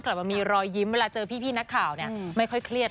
กลับมามีรอยยิ้มเวลาเจอพี่นักข่าวเนี่ยไม่ค่อยเครียด